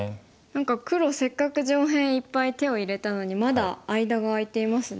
何か黒せっかく上辺いっぱい手を入れたのにまだ間が空いていますね。